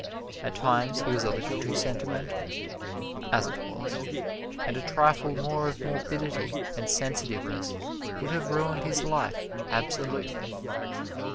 At times he was a little too sentimental, as it was, and a trifle more of morbidity and sensitiveness would have ruined his life, absolutely.